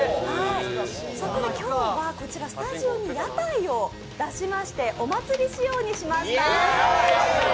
そこで今日はこちら、スタジオに屋台を出しまして、お祭り仕様にしました。